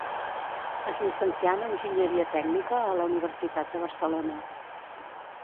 Es llicencià en enginyeria tècnica a la Universitat de Barcelona.